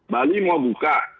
bali mau buka